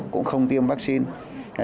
cũng không tiêm vaccine